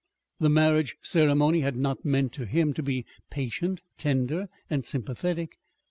The marriage ceremony had not meant to him "to be patient, tender, and sympathetic."